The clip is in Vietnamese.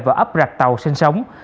và ấp rạch tàu sinh sống